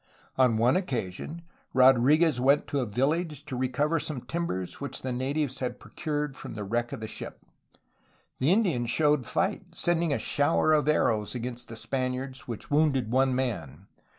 On one occasion Rodriguez went to a village to recover some timbers which the natives had procured from the wreck of the ship. The Indians showed fight, sending a shower of arrows against the Spaniards which wounded one man.